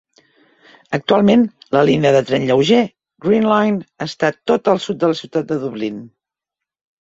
Actualment, la línia de tren lleuger, Green Line, està tota al sud de la ciutat de Dublín.